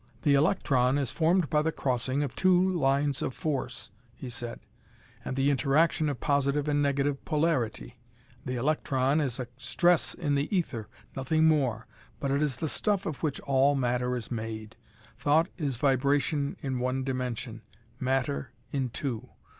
"The electron is formed by the crossing of two lines of force," he said, "and the interaction of positive and negative polarity. The electron is a stress in the ether, nothing more, but it is the stuff of which all matter is made. Thought is vibration in one dimension; matter in two.